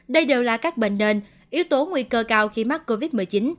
đây đều là các bệnh nền yếu tố nguy cơ cao khi mắc covid một mươi chín